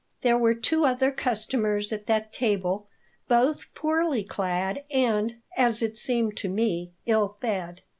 There were two other customers at that table, both poorly clad and, as it seemed to me, ill fed.